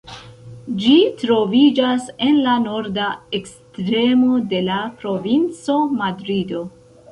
Ĝi troviĝas en la norda ekstremo de la provinco Madrido.